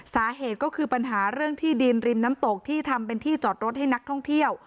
สาเหตุก็คือปัญหาเรื่องที่ดินริมน้ำตกที่ทำเป็นที่จอดรถให้นักท่องเที่ยว